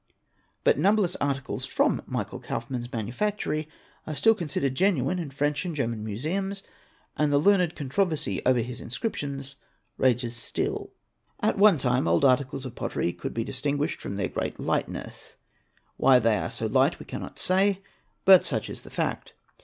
But numberless articles from Michael Kaufmann's manufactory are still considered genuine in French and German Museums, and the learned controversy over his inscriptions rages stil] 1202 1203), At one time old articles of pottery could be distinguished by their © great lightness: why they are so light we cannot say, but such is the fact.